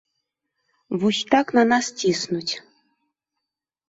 Вось так на нас ціснуць.